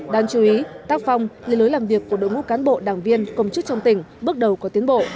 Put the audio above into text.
đáng chú ý tác phong lề lối làm việc của đội ngũ cán bộ đảng viên công chức trong tỉnh bước đầu có tiến bộ